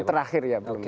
yang terakhir ya